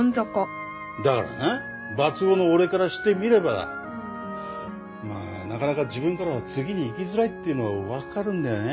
だからなバツ５の俺からしてみればまあなかなか自分からは次にいきづらいっていうのはわかるんだよね。